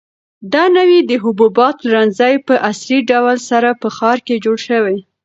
دا نوی د حبوباتو پلورنځی په عصري ډول سره په ښار کې جوړ شوی.